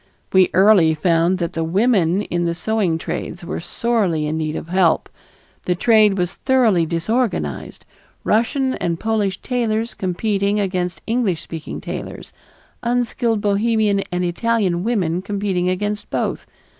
We early found that the women in the sewing trades were sorely in need of help. The trade was thoroughly disorganized, Russian and Polish tailors competing against English speaking tailors, unskilled Bohemian and Italian women competing against both.